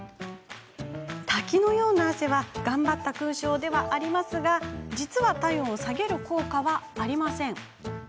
滝のような汗は頑張った勲章ではありますが実は体温を下げる効果はありません。